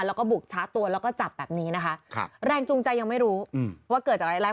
แล้วก็บุกชาร์จตัวแล้วก็จับแบบนี้นะคะครับแรงจูงใจยังไม่รู้ว่าเกิดจากอะไรล่ะ